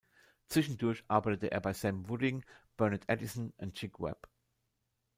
Zwischendurch arbeitete er bei Sam Wooding, Bernard Addison und Chick Webb.